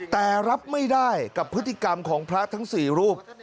แต่รับไม่ได้กับพฤติกรรมของพระทั้ง๔รูป